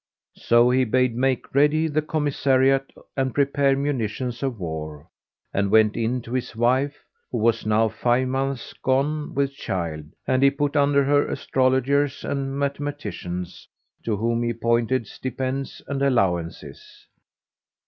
So he bade make ready the commissariat and prepare munitions of war and went in to his wife, who was now five months gone with child; and he put under her astrologers and mathematicians, to whom he appointed stipends and allowances.